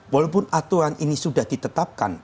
walaupun aturan ini sudah ditetapkan